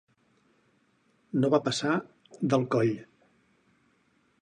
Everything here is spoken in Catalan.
No passar del coll.